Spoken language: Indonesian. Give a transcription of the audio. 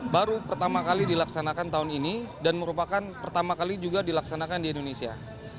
baru pertama kali dilaksanakan tahun ini dan merupakan pertama kali juga dilaksanakan di indonesia